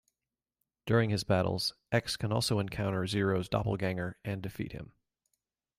During his battles, X can also encounter Zero's doppelganger and defeat him.